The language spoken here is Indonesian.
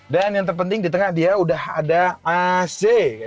dan yang terpenting di tengah dia udah ada ac